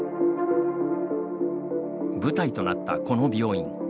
舞台となったこの病院。